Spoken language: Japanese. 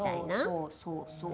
そうそうそうそう。